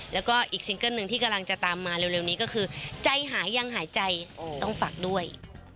แล้วก็อีกซิงเกิ้ลหนึ่งที่กำลังจะตามมาเร็วนี้ก็คือใจหายยังหายใจต้องฝากด้วย